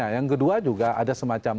yang kedua juga ada semacam